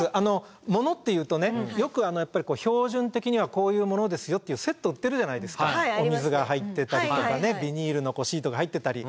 モノっていうとよくやっぱり標準的にはこういうものですよっていうセット売ってるじゃないですかお水が入ってたりとかビニールのシートが入ってたり。